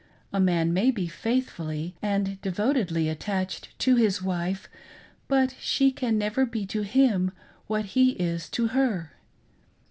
A man, may be faithfully and devotedly at tached to his wife, but she can never be to him what he is to her.